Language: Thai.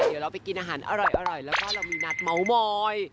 เดี๋ยวเราไปกินอาหารอร่อยแล้วก็เรามีนัดเมาส์มอย